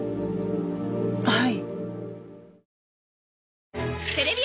はい。